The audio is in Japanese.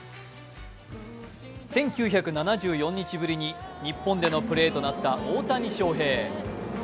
１９７４日ぶりに日本でのプレーとなった大谷翔平。